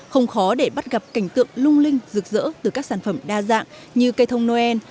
không khó để bắt gặp cảnh tượng lung linh rực rỡ từ các sản phẩm đa dạng như cây thông noel